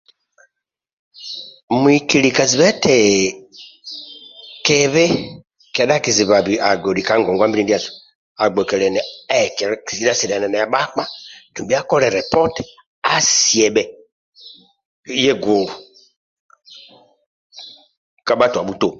Muhikili kaziba eti kibi kedha kizibu agodhi ka ngongwa mbili ndiasu agbokiliani aeke sidha sidhana ndia bhakpa dumbi asiebhe yegulu ka bhatua butoki